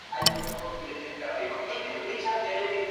El conjunto tiene lugar junto al mar.